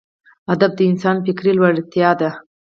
ادب د انسان فکري لوړتیا ده.